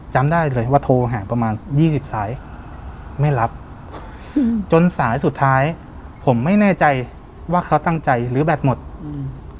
จำได้เลยว่าโทรห่างประมาณยี่สิบสายไม่รับอืมจนสายสุดท้ายผมไม่แน่ใจว่าเขาตั้งใจหรือแบตหมดอืม